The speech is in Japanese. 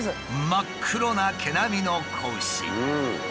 真っ黒な毛並みの子牛。